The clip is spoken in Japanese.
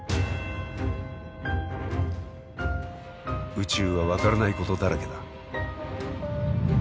宇宙は分からないことだらけだ。